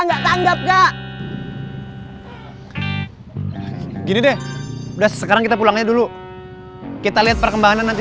enggak tanggap gak gini deh udah sekarang kita pulangnya dulu kita lihat perkembangan nanti